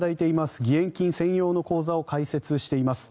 義援金専用の口座を開設しています。